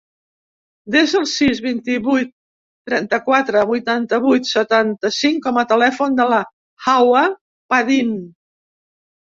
Desa el sis, vint-i-vuit, trenta-quatre, vuitanta-vuit, setanta-cinc com a telèfon de la Hawa Padin.